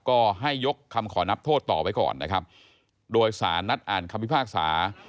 ก็ให้ยกคำขอนับโทษต่อไว้ก่อนนะครับโดยสารนัดอ่านคำพิพากษา